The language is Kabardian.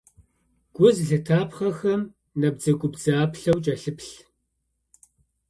Гу зылъытапхъэхэм набдзэгубдзаплъэу кӏэлъыплъ.